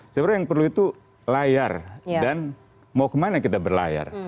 sebenarnya yang perlu itu layar dan mau kemana kita berlayar